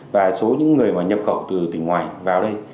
và số những người mà nhập khẩu từ tỉnh ngoài vào đây